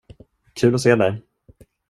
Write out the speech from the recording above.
Kul att se dig.